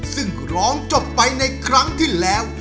ซึ่งร้องจบไปในครั้งที่แล้ว